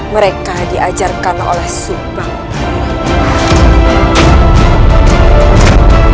mereka diajarkan oleh subang